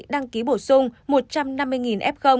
đăng ký bổ sung một trăm năm mươi f